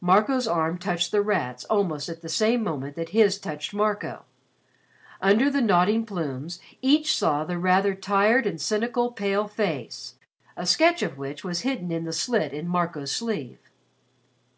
Marco's arm touched The Rat's almost at the same moment that his own touched Marco. Under the nodding plumes each saw the rather tired and cynical pale face, a sketch of which was hidden in the slit in Marco's sleeve.